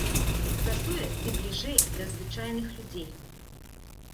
Затое ты бліжэй да звычайных людзей.